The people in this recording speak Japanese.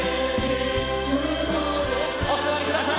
お座りください。